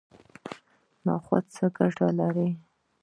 نخود څه ګټه لري؟